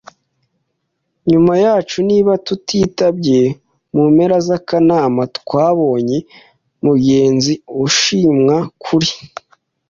nyuma yacu niba tutitabye mu mpera za Kanama, twabonye mugenzi ushimwa kuri